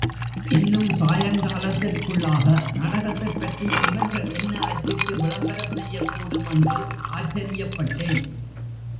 இன்னும் சாயங்காலத்திற்குள்ளாக நாடகத்தைப் பற்றி இவர்கள் என்ன அச்சிட்டு விளம்பரம் செய்யக்கூடும் என்று ஆச்சரியப்பட்டேன்.